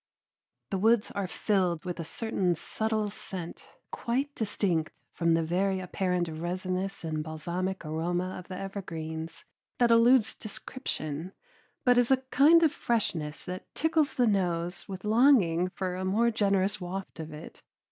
The woods are filled with a certain subtle scent quite distinct from the very apparent resinous and balsamic aroma of the evergreens, that eludes description, but as a kind of freshness that tickles the nose with longing for a more generous waft of it.